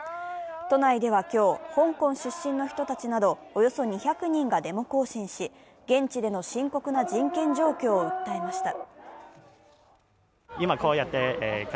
都内では今日、香港出身の人たちなどおよそ２００人がデモ行進し、現地での深刻な人権状況を訴えました。